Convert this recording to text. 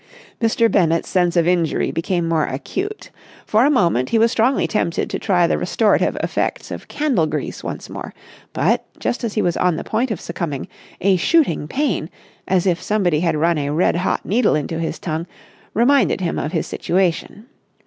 Mr. Bennett's sense of injury became more acute. For a moment he was strongly tempted to try the restorative effects of candle grease once more, but, just as he was on the point of succumbing, a shooting pain, as if somebody had run a red hot needle into his tongue, reminded him of his situation.